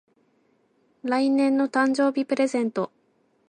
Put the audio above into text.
来年の誕生日プレゼント